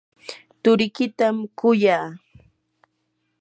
turikitam kuyaa.